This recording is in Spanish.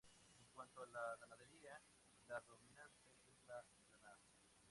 En cuanto a la ganadería, la dominante es la lanar.